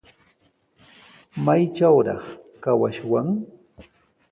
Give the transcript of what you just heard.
¿Maytrawraq kawashwan?